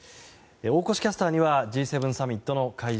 大越キャスターにはＧ７サミットの会場